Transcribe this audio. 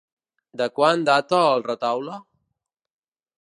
De quan data el retaule?